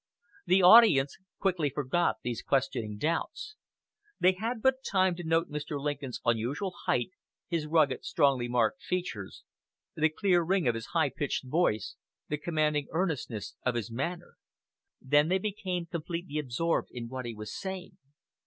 The audience quickly forgot these questioning doubts. They had but time to note Mr. Lincoln's unusual height, his rugged, strongly marked features, the clear ring of his high pitched voice, the commanding earnestness of his manner. Then they became completely absorbed in what he was saying.